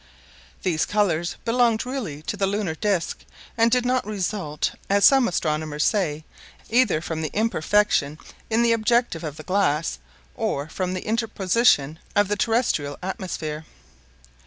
These colors belonged really to the lunar disc, and did not result, as some astronomers say, either from the imperfection in the objective of the glasses or from the interposition of the terrestrial atmosphere.